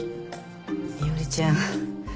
伊織ちゃん